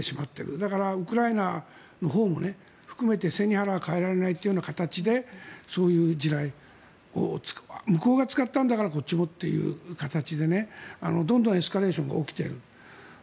だからウクライナのほうも含めて背に腹は代えられないような形でそういう地雷を向こうが使ったんだからこっちもという形でどんどんエスカレーションが起きている。